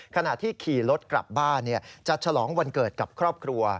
ขณะที่ขี่รถกลับบ้านจะฉลองวันเกิดกับครอบครัว